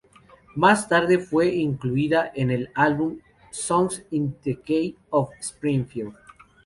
Más tarde fue incluida en el álbum de "Songs in the Key of Springfield".